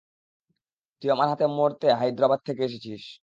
তুই আমার হাতে মরতে হাইদ্রাবাদ থেকে এসেছিস!